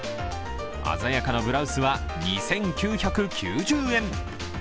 鮮やかなブラウスは２９９０円。